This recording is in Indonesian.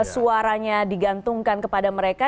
suaranya digantungkan kepada mereka